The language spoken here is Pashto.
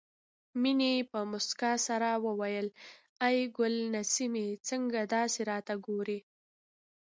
مينې په مسکا سره وویل ای ګل سنمې څنګه داسې راته ګورې